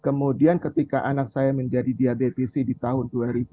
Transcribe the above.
kemudian ketika anak saya menjadi diabetes di tahun dua ribu dua